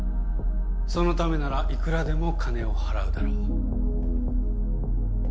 そのためならいくらでも金を払うだろう。